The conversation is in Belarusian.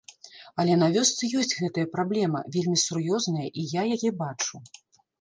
Але на вёсцы ёсць гэтая праблема, вельмі сур'ёзная, і я яе бачу.